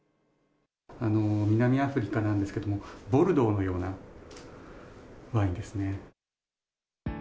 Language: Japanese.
南アフリカなんですけれども、ボルドーのようなワインですね。